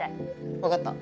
わかった。